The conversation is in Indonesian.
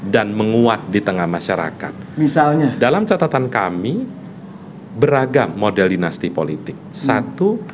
dan menguat di tengah masyarakat misalnya dalam catatan kami beragam model dinasti politik satu